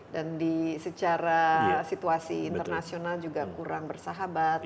dan di secara situasi internasional juga kurang bersahabat